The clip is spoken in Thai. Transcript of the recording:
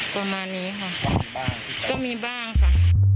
ก็มีบางค่ะ